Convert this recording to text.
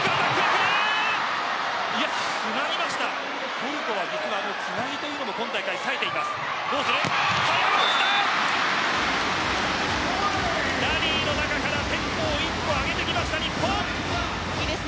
トルコは今大会つなぎというのも実はさえています。